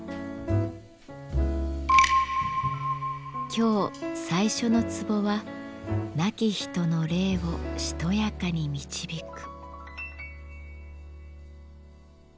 今日最初の壺は「亡き人の霊をしとやかに導く」。